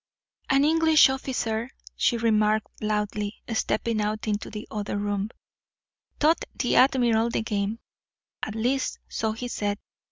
"An English officer," she remarked loudly, stepping out into the other room, "taught the admiral the game. At least, so he said.